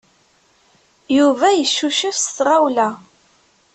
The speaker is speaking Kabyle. Yuba yeccucef s tɣawla.